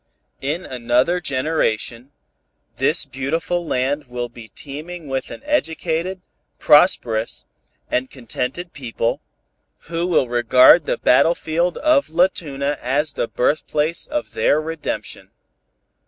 In another generation, this beautiful land will be teeming with an educated, prosperous and contented people, who will regard the battlefield of La Tuna as the birthplace of their redemption.